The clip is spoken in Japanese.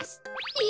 え？